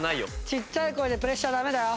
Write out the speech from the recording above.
ちっちゃい声でプレッシャーダメだよ。